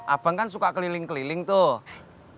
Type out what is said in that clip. abang kan suka keliling keliling tuh